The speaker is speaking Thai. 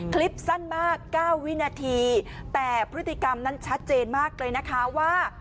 คลิปสั้นมาก๙วินาทีแต่พฤติกรรมนั้นชัดเจนมากเลยนะคะว่า